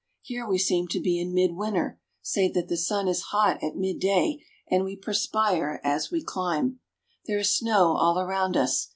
Here we seem to be in midwinter, save that the sun is hot at mid day, and we perspire as we climb. There is snow all around us.